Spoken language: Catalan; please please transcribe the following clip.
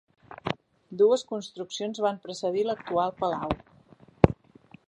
Dues construccions van precedir l'actual palau.